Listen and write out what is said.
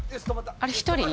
あれ１人？